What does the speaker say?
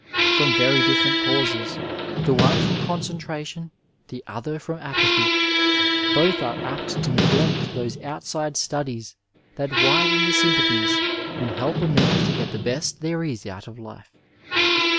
From very different causes, the one from concentration, the other from apathy, both are apt to neglect those outside studies that widen the sympathies and help a man to get the best there is out of life.